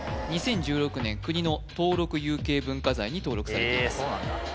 ２０１６年国の登録有形文化財に登録されていますええそうなんだ